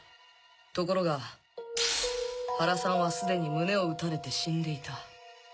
ところが原さんはすでに胸を撃たれて死んでいた。